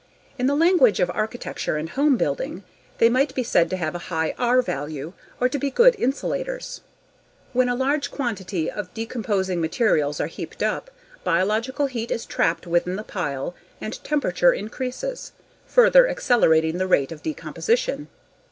In the language of architecture and home building they might be said to have a high "R" value or to be good insulators When a large quantity of decomposing materials are heaped up, biological heat is trapped within the pile and temperature increases, further accelerating the rate of decomposition.